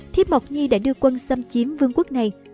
thiếp mộc nhi đã đưa quân xâm chiếm vương quốc này